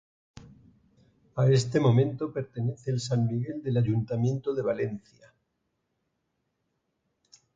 A este momento pertenece el "San Miguel" del Ayuntamiento de Valencia.